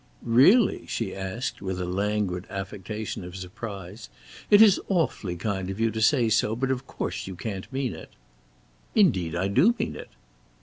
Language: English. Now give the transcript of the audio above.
"Really?" she asked with a languid affectation of surprise; "it is awfully kind of you to say so, but of course you can't mean it. "Indeed I do mean it."